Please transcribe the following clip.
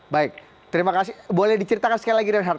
baik terima kasih boleh diceritakan sekali lagi reinhard